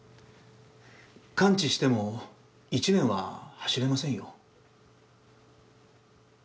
完治しても、１年は走れませんよ。